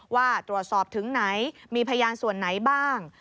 ว่าตรวจสอบถึงไหนมีพยานส่วนไหนบ้าง